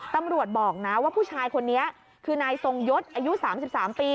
ตำรวจบอกนะว่าผู้ชายคนนี้คือนายทรงยศอายุ๓๓ปี